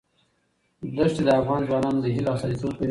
دښتې د افغان ځوانانو د هیلو استازیتوب کوي.